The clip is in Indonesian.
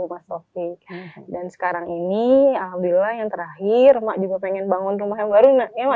rumah sakit dan sekarang ini alhamdulillah yang terakhir mak juga pengen bangun rumah yang baru